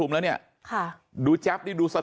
ลูกสาวหลายครั้งแล้วว่าไม่ได้คุยกับแจ๊บเลยลองฟังนะคะ